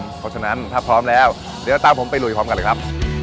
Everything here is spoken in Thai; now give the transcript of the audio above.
เพราะฉะนั้นถ้าพร้อมแล้วเดี๋ยวตามผมไปลุยพร้อมกันเลยครับ